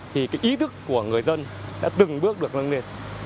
thì ý thức của người dân đã từng bước được nâng nền